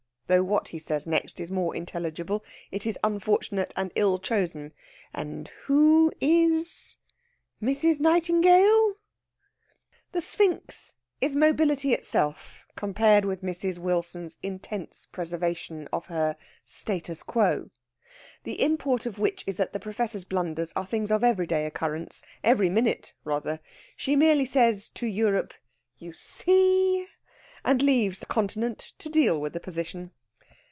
Though what he says next is more intelligible, it is unfortunate and ill chosen: "And who is Mrs. Nightingale?" The sphinx is mobility itself compared with Mrs. Wilson's intense preservation of her status quo. The import of which is that the Professor's blunders are things of everyday occurrence every minute, rather. She merely says to Europe, "You see," and leaves that continent to deal with the position.